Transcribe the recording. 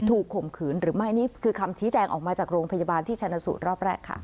ข่มขืนหรือไม่นี่คือคำชี้แจงออกมาจากโรงพยาบาลที่ชนะสูตรรอบแรกค่ะ